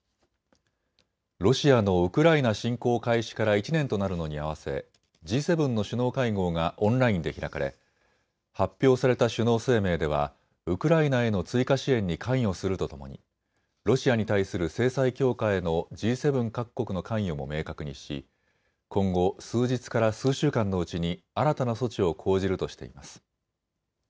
ロシアのウクライナ侵攻開始から１年となるのに合わせＧ７の首脳会合がオンラインで開かれ発表された首脳声明ではウクライナへの追加支援に関与するとともにロシアに対する制裁強化へのＧ７各国の関与も明確にし、今後、数日から数週間のうちに新たな措置を講じるとしています。